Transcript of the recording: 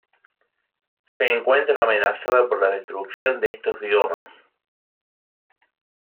Se encuentra amenazada por la destrucción de estos biomas.